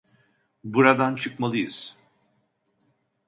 Buradan çıkmalıyız.